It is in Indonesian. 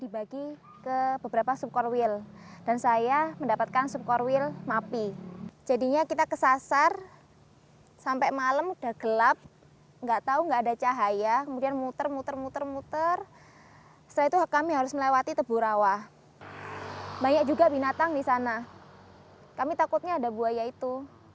binatang di sana kami takutnya ada buaya itu